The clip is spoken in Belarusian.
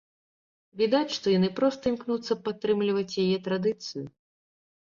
Відаць, што яны проста імкнуцца падтрымліваць яе традыцыю.